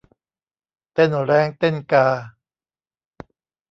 เต้นแร้งเต้นกา